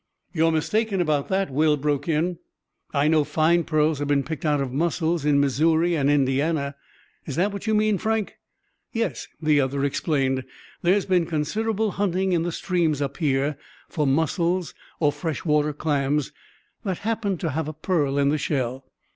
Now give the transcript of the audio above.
"You're mistaken about that," Will broke in. "I know fine pearls have been picked out of mussels in Missouri and Indiana. Is that what you mean, Frank?" "Yes," the other explained, "there's been considerable hunting in the streams up here for mussels, or fresh water clams, that happened to have a pearl in the shell.